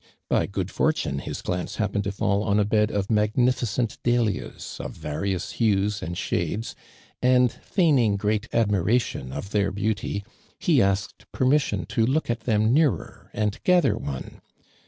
By good fortune his glance hap pened to fall on a bed of magnificent dah lias of various hues and shades, and feign ing great admiration of their beauty, he ask ed ])ermission to look at them nearer and gather one.